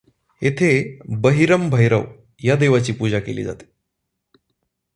येथे बहिरम भैरव या देवाची पूजा केली जाते.